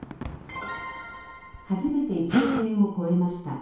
初めて１億円を超えました。